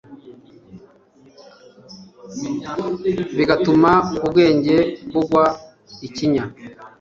bigatuma ubwenge bugwa ikinya